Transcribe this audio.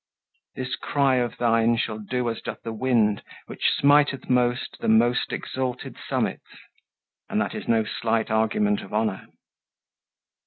This cry of thine shall do as doth the wind, Which smiteth most the most exalted summits, And that is no slight argument of honour.